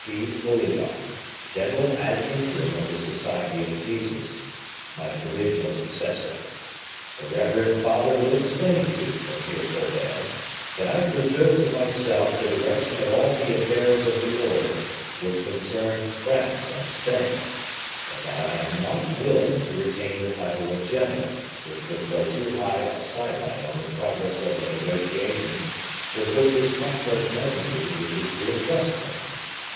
P. Oliva, general ad interim of the Society of Jesus, my provisional successor. The reverend father will explain to you, Monsieur Colbert, that I preserve to myself the direction of all the affairs of the order which concern France and Spain; but that I am not willing to retain the title of general, which would throw too high a side light on the progress of the negotiations with which His Catholic Majesty wishes to intrust me.